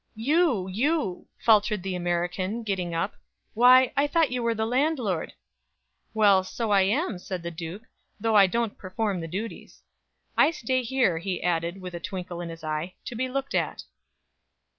"You, you!" faltered the American, getting up, "why, I thought you were the landlord!" "Well, so I am," said the Duke, "though I don't perform the duties." "I stay here," he added, with a twinkle in his eye, "to be looked at."